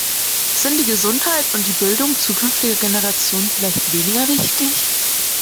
Sind die Gesundheit und die Bildung künftiger Generationen vielleicht weniger wichtig?